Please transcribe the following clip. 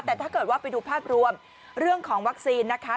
แต่ถ้าเกิดว่าไปดูภาพรวมเรื่องของวัคซีนนะคะ